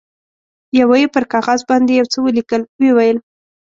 یوه یې پر کاغذ باندې یو څه ولیکل، ویې ویل.